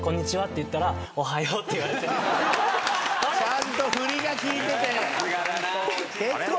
ちゃんと振りが利いてて。